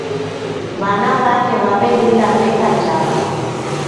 W'ana w'ake w'aw'elila w'eka njala.